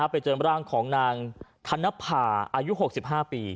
ไปเจอร่างของนางธนภาอายุ๖๕ปี